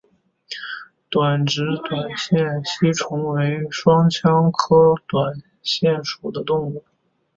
横殖短腺吸虫为双腔科短腺属的动物。